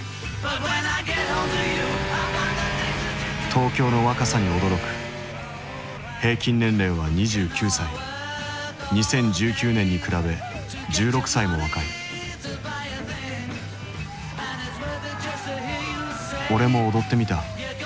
東京の若さに驚く２０１９年に比べ１６歳も若い俺も踊ってみた。